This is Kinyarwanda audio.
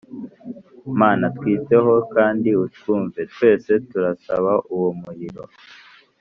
Mana twiteho kandi utwumve Twese turasaba uwo muriro